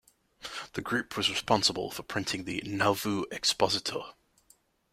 This group was responsible for printing the "Nauvoo Expositor".